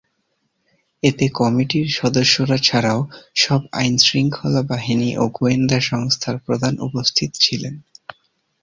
এতে কমিটির সদস্যরা ছাড়াও সব আইন-শৃঙ্খলা বাহিনী ও গোয়েন্দা সংস্থার প্রধান উপস্থিত ছিলেন।